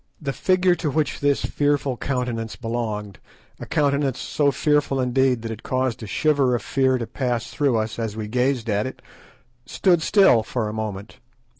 The figure to which this fearful countenance belonged, a countenance so fearful indeed that it caused a shiver of fear to pass through us as we gazed on it, stood still for a moment.